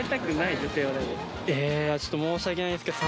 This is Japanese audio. ちょっと申し訳ないですけど。